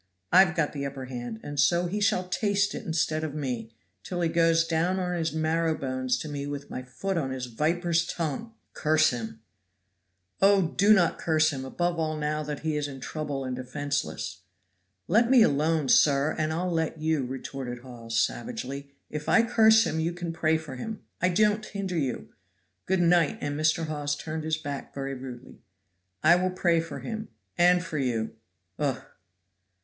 I've got the upper hand, and so he shall taste it instead of me, till he goes down on his marrowbones to me with my foot on his viper's tongue. him!" "Oh! do not curse him, above all now that he is in trouble and defenseless." "Let me alone, sir, and I'll let you," retorted Hawes savagely. "If I curse him you can pray for him. I don't hinder you. Good night;" and Mr. Hawes turned his back very rudely. "I will pray for him and for you!" "Ugh!"